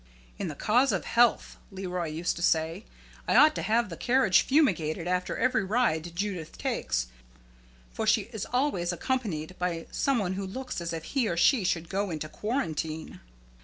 "In the cause of health," Leroy used to say, "I ought to have the carriage fumigated after every ride Judith takes, for she is always accompanied by some one who looks as if he or she should go into quarantine."